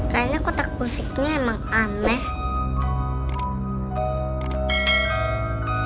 kayaknya kotak musiknya emang aneh